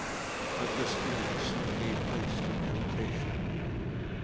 But this feeling soon gave place to irritation.